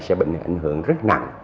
sẽ bị ảnh hưởng rất nặng